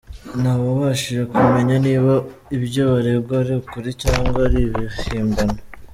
Ntawabashije kumenya niba ibyo baregwa ari ukuri cyangwa ari ibihimbano!